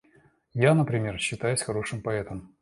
Я, например, считаюсь хорошим поэтом.